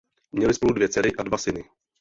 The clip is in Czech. Měli spolu dvě dcery a dva syny.